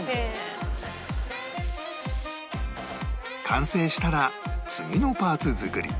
完成したら次のパーツ作り